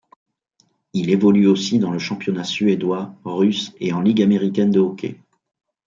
Il évolue aussi dans le championnat suédois, russe et en Ligue américaine de hockey.